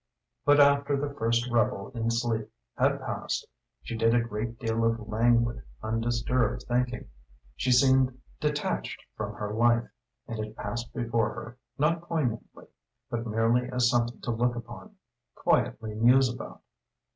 But after the first revel in sleep had passed she did a great deal of languid, undisturbed thinking. She seemed detached from her life, and it passed before her, not poignantly, but merely as something to look upon, quietly muse about.